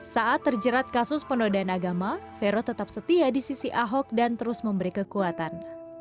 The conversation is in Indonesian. saat terjerat kasus penodaan agama vero tetap setia di sisi ahok dan terus memberi kekuatan